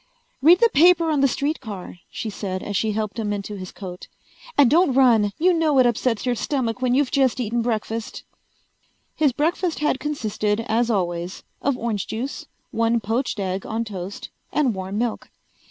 "Read the paper on the streetcar," she said as she helped him into his coat. "And don't run. You know it upsets your stomach when you've just eaten breakfast." His breakfast had consisted, as always, of orange juice, one poached egg on toast and warm milk.